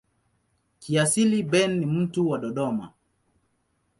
Kiasili Ben ni mtu wa Dodoma.